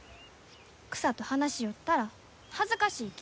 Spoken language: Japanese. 草と話しよったら恥ずかしいき。